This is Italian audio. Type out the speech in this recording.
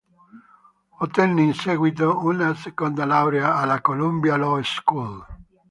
Ottenne in seguito una seconda laurea alla Columbia Law School.